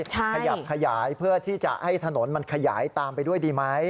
ขยับขยายเพื่อที่จะให้ถนนมันขยายตามไปด้วยดีไหม